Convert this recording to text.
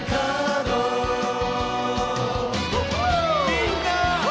みんな！